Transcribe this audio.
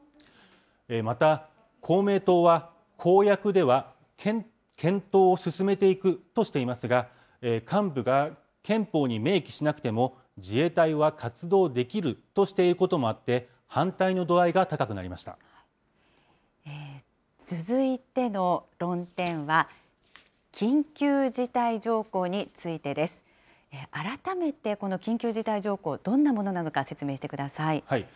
また、公明党は公約では検討を進めていくとしていますが、幹部が、憲法に明記しなくても自衛隊は活動できるとしていることもあって、続いての論点は、緊急事態条項についてです。改めてこの緊急事態条項、どんなものなのか説明してください。